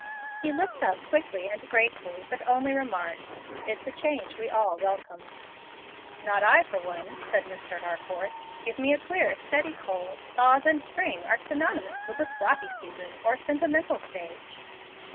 He looked up quickly and gratefully, but only remarked, "It's a change we all welcome." "Not I, for one," said Mr. Harcourt. "Give me a clear, steady cold. Thaws and spring are synonymous with the sloppy season or sentimental stage."